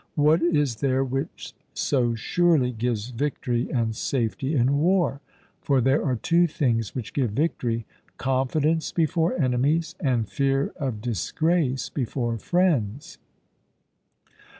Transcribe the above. What is there which so surely gives victory and safety in war? For there are two things which give victory confidence before enemies, and fear of disgrace before friends.